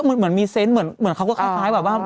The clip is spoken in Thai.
ใช่เหมือนมีเซนส์เหมือนเขาก็คล้าย